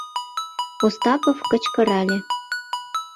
— Остапов кычкырале.